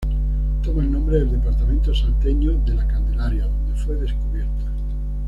Toma el nombre del departamento salteño de La Candelaria donde fue descubierta.